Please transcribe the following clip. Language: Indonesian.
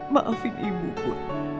maafin ibu pun